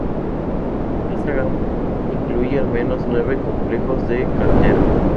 Esta gama incluye al menos nueve complejos de caldera.